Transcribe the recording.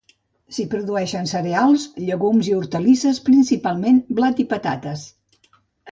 S'hi produïen cereals, llegums i hortalisses, principalment blat i patates.